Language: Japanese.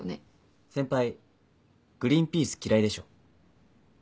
先輩グリーンピース嫌いでしょ。